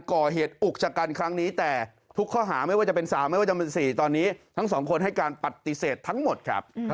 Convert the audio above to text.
ก่อเหตุอุกชะก